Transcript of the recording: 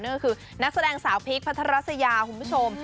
นั่นก็คือนักแสดงสาวพีคพัทรัสยาคุณผู้ชม